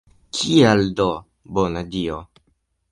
Kial do, bona Dio?